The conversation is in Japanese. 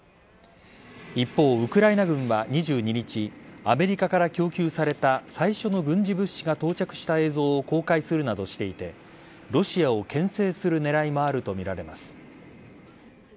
一方、ウクライナ軍は２２日アメリカから供給された最初の軍事物資が到着した映像を公開するなどしていてロシアをけん制する狙いもあるとみられます。